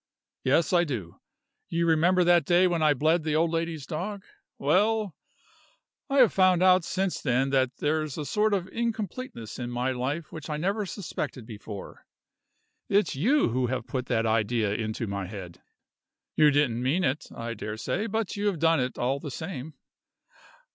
Yes, I do. You remember that day when I bled the old lady's dog well, I have found out since then that there's a sort of incompleteness in my life which I never suspected before. It's you who have put that idea into my head. You didn't mean it, I dare say, but you have done it all the same.